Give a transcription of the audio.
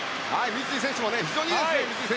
三井選手も非常にいいですよ。